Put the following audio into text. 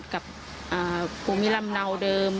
กับภูมิลำเนาเดิม